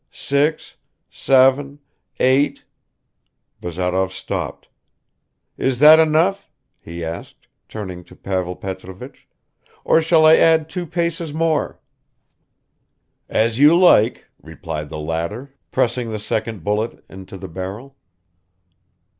Six ... seven ... eight ..." Bazarov stopped. "Is that enough?" he asked, turning to Pavel Petrovich, "or shall I add two paces more?" "As you like," replied the latter, pressing the second bullet into the barrel.